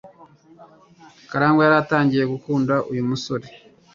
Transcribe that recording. Karangwa yari atangiye gukunda uyu musore.